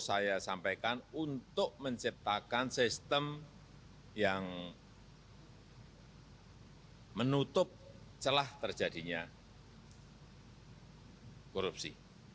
saya sampaikan untuk menciptakan sistem yang menutup celah terjadinya korupsi